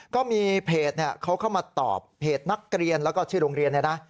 ก็มีเพจเขาเข้ามาตอบเพจนักเรียนแล้วก็ชื่อโรงเรียนเนี่ยนะ